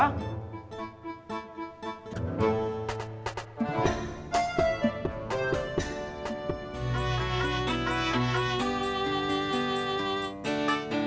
problemnya alumni kita tuh kayak gini